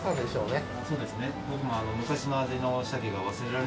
そうですね。